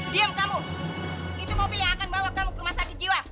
diam kamu itu mobil yang akan bawa kamu ke rumah sakit jiwa